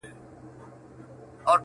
چي په زړه کي څه در تېر نه سي آسمانه،